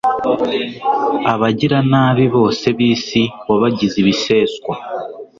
Abagiranabi bose b’isi wabagize ibiseswa